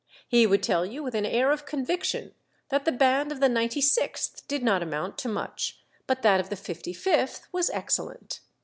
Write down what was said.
He would tell you with an air of conviction that the band of the Ninety sixth did not amount to much, but that of the Fifty fifth was excellent.